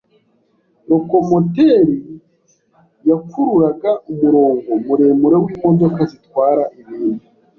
Lokomoteri yakururaga umurongo muremure wimodoka zitwara ibintu.